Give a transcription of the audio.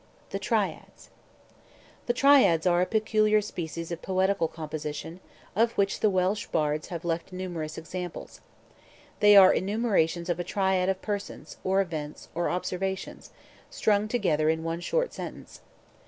THE TRIADS The Triads are a peculiar species of poetical composition, of which the Welsh bards have left numerous examples. They are enumerations of a triad of persons, or events, or observations, strung together in one short sentence.